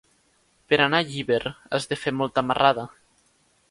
Per anar a Llíber has de fer molta marrada.